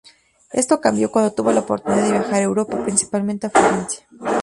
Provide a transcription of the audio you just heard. Esto cambió cuando tuvo la oportunidad de viajar a Europa, principalmente a Florencia.